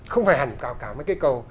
không phải hẳn cả mấy cái cầu